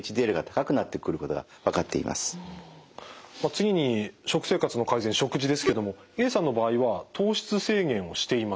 次に食生活の改善食事ですけどもＡさんの場合は糖質制限をしていました。